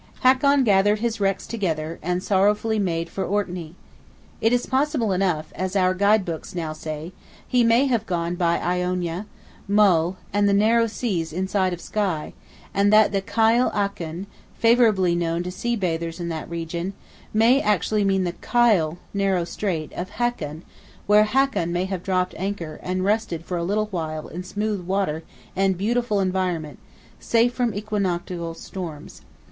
Hakon gathered his wrecks together, and sorrowfully made for Orkney. It is possible enough, as our Guide Books now say, he may have gone by Iona, Mull, and the narrow seas inside of Skye; and that the Kyle Akin, favorably known to sea bathers in that region, may actually mean the Kyle (narrow strait) of Hakon, where Hakon may have dropped anchor, and rested for a little while in smooth water and beautiful environment, safe from equinoctial storms.